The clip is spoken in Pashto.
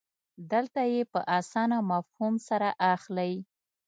دلته یې په اسانه مفهوم سره اخلئ.